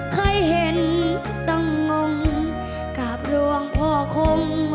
ใครเห็นต่างงกราบร่วงพวง